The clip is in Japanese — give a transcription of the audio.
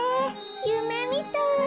ゆめみたい。